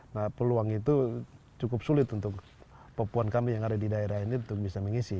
nah peluang itu cukup sulit untuk papua kami yang ada di daerah ini untuk bisa mengisi